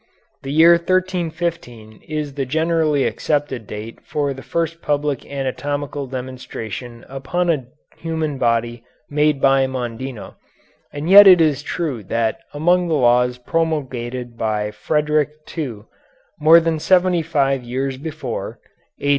The year 1315 is the generally accepted date for the first public anatomical demonstration upon a human body made by Mondino, and yet it is true that among the laws promulgated by Frederick II, more than seventy five years before (A.